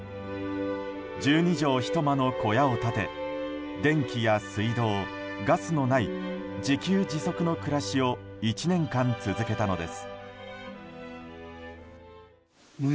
１２畳１間の小屋を建て電気や水道、ガスのない自給自足の暮らしを１年間、続けたのです。